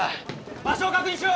場所を確認しろ！